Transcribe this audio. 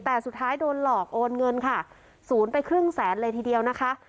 แต่สุดท้ายโดนหลอกโอนเงินค่ะศูนย์ไปครึ่งแสนเลยทีเดียวนะคะ